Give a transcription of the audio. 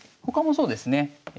他もそうですね。